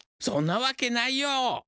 そんなわけないよ！